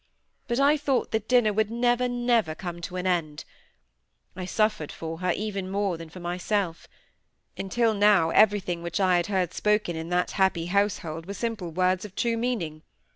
But I thought that dinner would never, never come to an end. I suffered for her, even more than for myself. Until now everything which I had heard spoken in that happy household were simple words of true meaning.